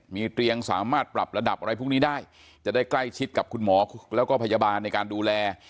มีเตียงสามารถปรับระดับอะไรพวกนี้ได้จะได้ใกล้ชิดกับคุณหมอแล้วก็พยาบาลในการดูแล